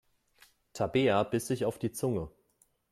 Tabea biss sich auf die Zunge.